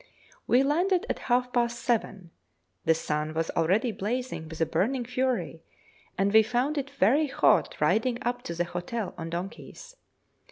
We landed at half past seven. The sun was already blazing with a burning fury, and we found it very hot riding up to the hotel on donkeys.